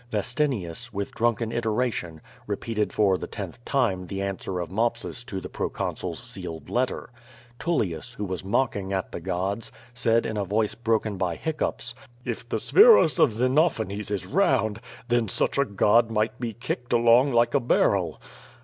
Vestinius, with drunken iteration, repeated for the tenth time the answer of Mopsus to the pro consul's sealed letter. TuUius, who was mocking at the gods, said in a voice broken by hiccoughs: "If the Spheros of Xenophanes is round, then such a god might be kicked along like a baiTcl."